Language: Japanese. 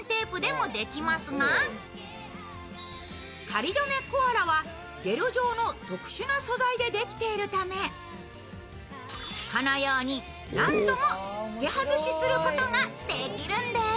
仮どめコアラは、ゲル状の特殊な素材でできているためこのように何度もつけ外しすることができるんです。